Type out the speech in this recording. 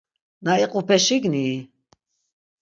Na iqupe şignii?